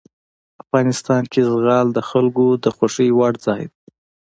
افغانستان کې زغال د خلکو د خوښې وړ ځای دی.